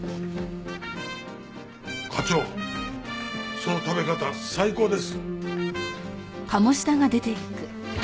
課長その食べ方最高です。